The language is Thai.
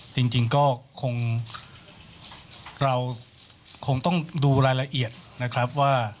จริงก็คงเราคงต้องดูรายละเอียดนะครับว่า